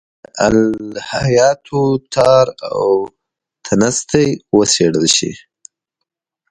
د الهیاتو تار و تنستې وڅېړل شي.